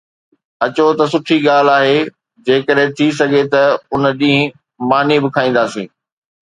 اچو ته سٺي ڳالهه آهي، جيڪڏهن ٿي سگهي ته ان ڏينهن ماني به کائينداسين